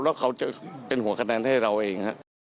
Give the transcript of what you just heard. แล้วเขาจะเป็นหัวคะแนนให้เราเอง